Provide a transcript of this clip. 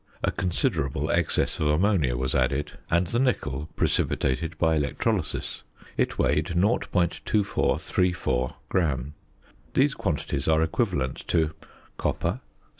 a considerable excess of ammonia was added, and the nickel precipitated by electrolysis. It weighed 0.2434 gram. These quantities are equivalent to: Copper 73.